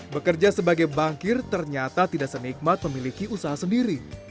bekerja sebagai bankir ternyata tidak senikmat memiliki usaha sendiri